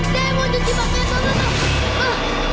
dev mau cuci pakaian